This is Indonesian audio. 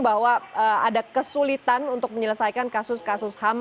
bahwa ada kesulitan untuk menyelesaikan kasus kasus ham